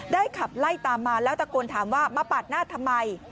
ขับไล่ตามมาแล้วตะโกนถามว่ามาปาดหน้าทำไม